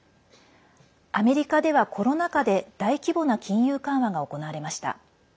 アメリカではコロナ禍で大規模な金融緩和が行われました。